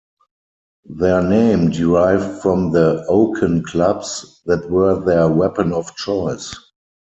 Their name derived from the oaken clubs that were their weapon of choice.